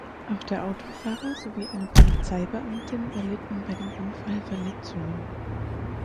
Auch der Autofahrer sowie eine Polizeibeamtin erlitten bei dem Unfall Verletzungen.